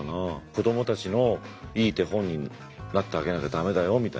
子どもたちのいい手本になってあげなきゃ駄目だよみたいなさ。